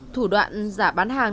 thủ đoạn giả bán hàng